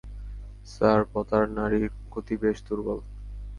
Sir, বতার নাড়ির গতি বেশ দূর্বল।